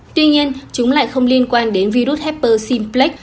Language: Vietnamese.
tuy nhiên chúng lại không liên quan đến virus hepper simplex